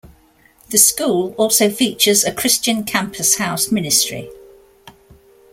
The school also features a Christian Campus House ministry.